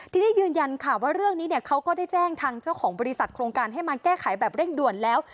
ทีนี้ยืนยันค่ะว่าเรื่องนี้เนี่ยเขาก็ได้แจ้งทางเจ้าของบริษัทโครงการให้มาแก้ไขแบบเร่งด่วนแล้ว